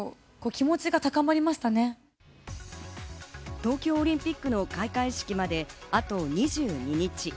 東京オリンピックの開会式まであと２２日。